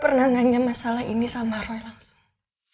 pernah nanya masalah ini sama apa langsung